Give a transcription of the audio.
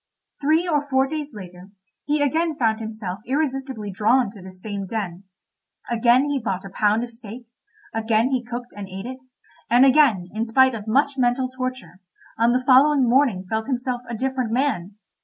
Three or four days later, he again found himself irresistibly drawn to this same den. Again he bought a pound of steak, again he cooked and ate it, and again, in spite of much mental torture, on the following morning felt himself a different man.